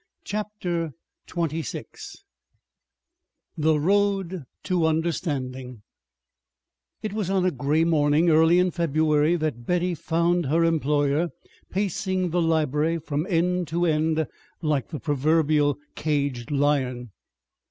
CHAPTER XXVI THE ROAD TO UNDERSTANDING It was on a gray morning early in February that Betty found her employer pacing the library from end to end like the proverbial caged lion.